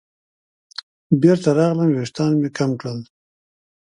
بېرته راغلم ویښتان مې کم کړل.